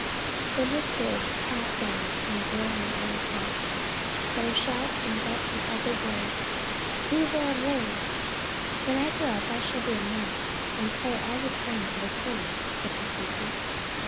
Then his carriage passed on, and bore him out of sight, but a shout went up from every voice, cc Viva el rey !*'" When I grow up I shall be a nun and pray all the time for the king!" said Pepita.